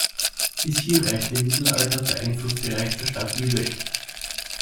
Bis hier reichte im Mittelalter der Einflussbereich der Stadt Lübeck.